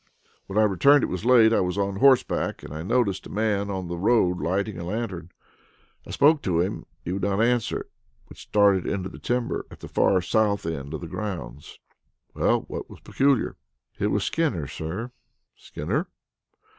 When I returned it was late. I was on horseback, and I noticed a man on the road lighting a lantern. I spoke to him; he would not answer, but started into the timber at the far south end of the grounds." "Well, what was peculiar?" "It was Skinner, sir." "Skinner!"